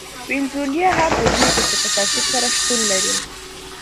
وینزویلا هم په دوی پسې په ترتیب سره شتون لري.